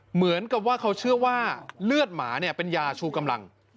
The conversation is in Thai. เหมือนกับว่าเขาเชื่อว่าเลือดหมาเนี่ยเป็นยาชูกำลัง